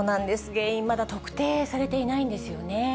原因、まだ特定されていないんですよね。